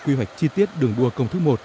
quy hoạch chi tiết đường đua công thức một